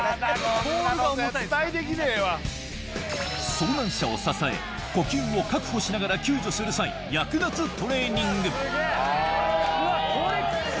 遭難者を支え呼吸を確保しながら救助する際役立つトレーニングうわ！